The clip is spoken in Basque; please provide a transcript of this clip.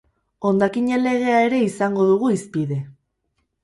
Hondakinen legea ere izango dugu hizpide.